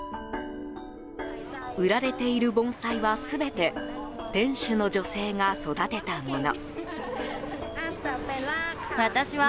売られている盆栽は全て店主の女性が育てたもの。